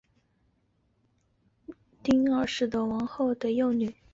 希腊和丹麦的狄奥多拉公主是希腊未代国王康斯坦丁二世和王后的幼女。